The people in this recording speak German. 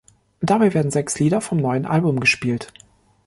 Dabei wurden sechs Lieder vom neuen Album gespielt.